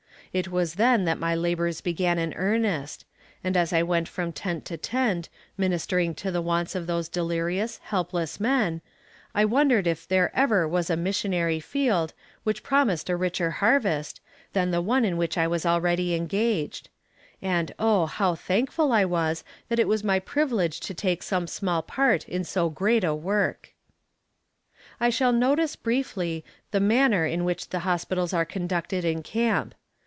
It was then that my labors began in earnest, and as I went from tent to tent, ministering to the wants of those delirious, helpless men, I wondered if there ever was a "Missionary Field" which promised a richer harvest, than the one in which I was already engaged; and oh, how thankful I was that it was my privilege to take some small part in so great a work. I shall notice, briefly, the manner in which the hospitals are conducted in camp.